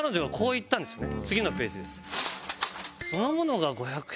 次のページです。